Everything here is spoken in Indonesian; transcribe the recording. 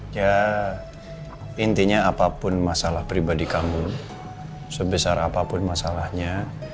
ya intinya apapun masalah pribadi kamu sebesar apapun masalahnya